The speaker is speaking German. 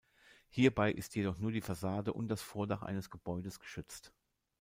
Hierbei ist jedoch nur die Fassade und das Vordach eines Gebäudes geschützt.